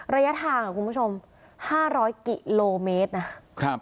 ระยะทางหรือคุณผู้ชม๕๐๐กิโลเมตรนะ